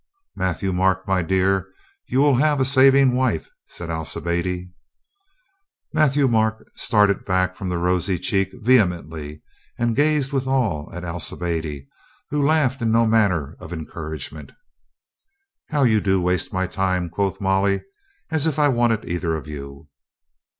"Matthieu Marc, my dear, you will have a saving wife," said Alcibiade. Matthieu Marc started back from the rosy cheek vehemently and gazed with awe at Alcibiade, who laughed in no manner of encouragement. "How you do waste my time," quoth Molly. "As if I wanted either of you."